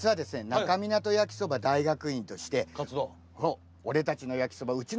那珂湊焼きそば大学院として「俺たちの焼きそば」「うちの焼きそば」